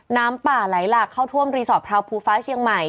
น้ำป่าไหลหลากเข้าท่วมรีสอร์ทราวภูฟ้าเชียงใหม่